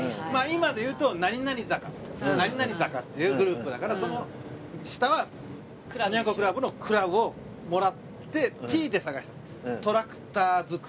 今でいうと何々坂何々坂っていうグループだからその下はおニャン子クラブの「クラブ」をもらって「Ｔ」で探した。